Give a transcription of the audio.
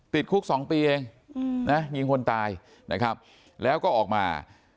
ติดคุก๒ปีเองนะยิงคนตายนะครับแล้วก็ออกมา